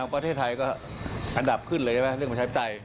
ประเทศไทยก็อันดับขึ้นเลยใช่ไหมเนี่ยเรื่องวันชับใจ